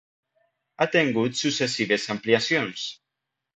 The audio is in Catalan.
Ha tengut successives ampliacions.